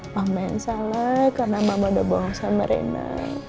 mama yang salah karena mama udah bohong sama rena